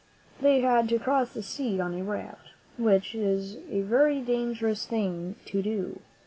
They had to cross the sea on a raft, which is a very danger ous thing to do.